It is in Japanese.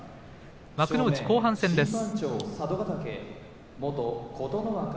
幕内後半戦です。